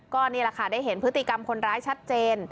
ก็นี่แหละค่ะได้เห็นพฤติกรรมคนร้ายชัดเจน